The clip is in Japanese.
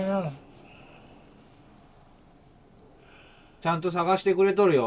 ちゃんと探してくれとるよ。